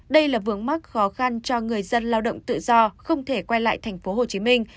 đây là vướng mắc khó khăn cho người dân lao động tự do không thể quay lại thành phố hồ chí minh